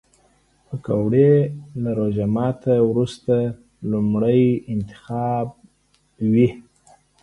پکورې له روژه ماتي نه وروسته لومړی انتخاب وي